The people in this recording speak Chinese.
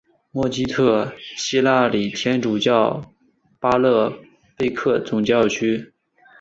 默基特希腊礼天主教巴勒贝克总教区。